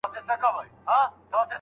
ما د دنيا له خونده يو گړی خوند وانخيستی